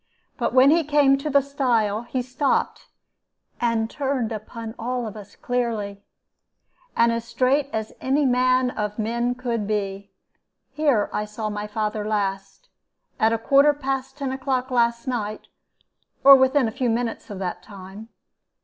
But when he came to that stile he stopped and turned upon all of us clearly, and as straight as any man of men could be. 'Here I saw my father last, at a quarter past ten o'clock last night, or within a few minutes of that time.'